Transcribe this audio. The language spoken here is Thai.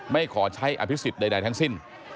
ไม่ขอใช้อภิกษิษฐธิ์ใดทั้งสิ้น